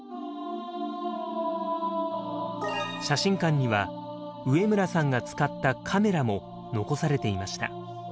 写真館には植村さんが使ったカメラも残されていました。